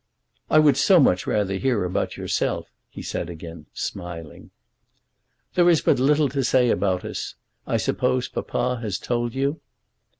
"I would so much rather hear about yourself," he said, again smiling. "There is but little to say about us. I suppose Papa has told you?"